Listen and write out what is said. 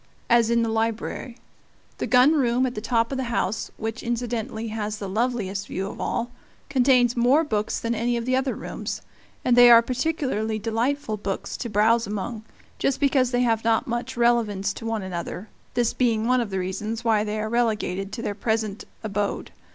as in the library; the gun room at the top of the house, which incidentally has the loveliest view of all, contains more books than any of the other rooms; and they are particularly delightful books to browse among, just because they have not much relevance to one another, this being one of the reasons why they are relegated to their present abode.